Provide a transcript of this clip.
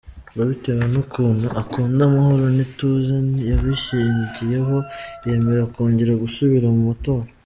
Ngo bitewe n’ukuntu akunda amahoro n’ituze yabishingiyeho yemera kongera gusubira mu matora.